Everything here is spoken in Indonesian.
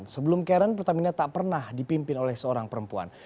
sebelum karen pertamina tak pernah dipimpin oleh seorang perempuan